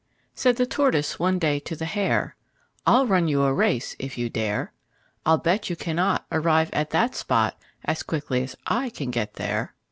Said the Tortoise one day to the Hare: "I'll run you a race if you dare. I'll bet you cannot Arrive at that spot As quickly as I can get there."